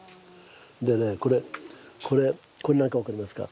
でねこれこれこれ何か分かりますか。